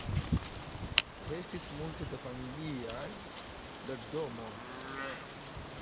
Restis multe da familiaj loĝdomoj.